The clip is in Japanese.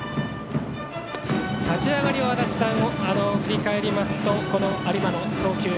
立ち上がりは足達さん、振り返りますとこの有馬の投球